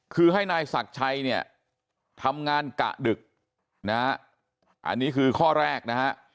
คือให้นายศักดิ์ชัยเนี่ยทำงานกะดึกนะฮะอันนี้คือข้อแรกนะฮะ